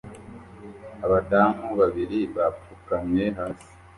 Abadamu babiri bapfukamye hasi